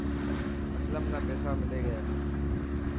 اسلم نا پيسا ملي گيا.